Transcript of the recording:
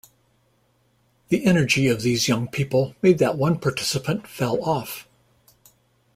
The energy of these young people made that one participant fell off.